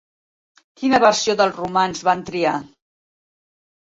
Quina versió del romanç van triar?